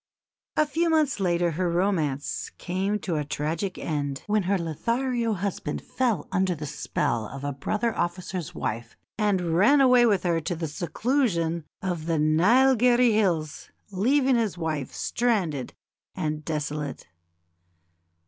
A few months later her romance came to a tragic end, when her Lothario husband fell under the spell of a brother officer's wife and ran away with her to the seclusion of the Neilgherry Hills, leaving his wife stranded and desolate.